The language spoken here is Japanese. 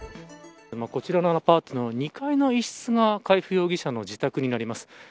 こちらのアパートの２階の１室が海部容疑者の自宅となります。